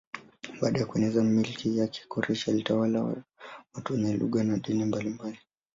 Baada ya kueneza milki yake Koreshi alitawala watu wenye lugha na dini mbalimbali.